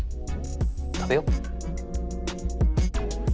食べよう。